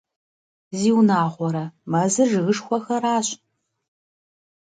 Зиунагъуэрэ, мэзыр жыгышхуэхэращ!